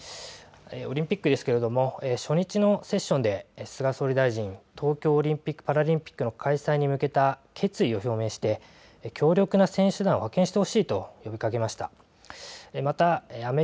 オリンピックですけれども初日のセッションで菅総理大臣東京オリンピック・パラリンピックの開催に向けた決意を表明して強力な選手団を派遣してほしいと呼びかけました。